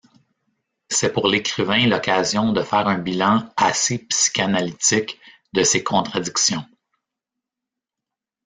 C’est pour l’écrivain l’occasion de faire un bilan assez psychanalytique de ses contradictions.